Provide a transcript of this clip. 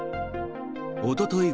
おととい